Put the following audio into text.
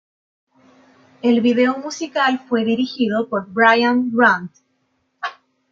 El vídeo musical fue dirigido por Brian Grant.